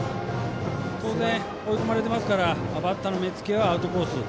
当然、追い込まれてますからバッターの目付けはアウトコース。